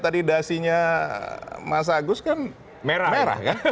dasinya mas agus kan merah